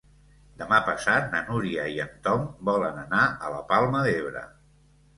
Demà passat na Núria i en Tom volen anar a la Palma d'Ebre.